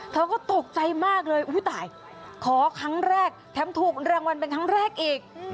เธอก็ตกใจมากเลยอุ้ยตายขอครั้งแรกแถมถูกรางวัลเป็นครั้งแรกอีก